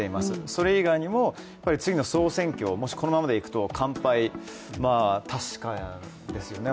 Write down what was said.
それ以外にも、次の総選挙もしこのままでいくと、完敗は確かですよね